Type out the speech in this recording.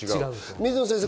水野先生